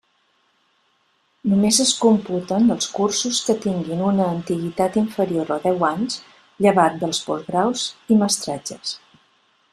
Només es computen els cursos que tinguin una antiguitat inferior a deu anys, llevat dels postgraus i mestratges.